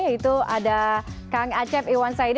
yaitu ada kang acep iwan said